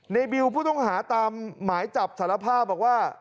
บิวผู้ต้องหาตามหมายจับสารภาพบอกว่า